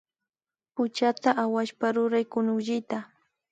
Puchata awashpa ruray kunukllita